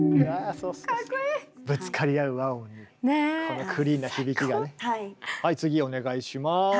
はい次お願いします。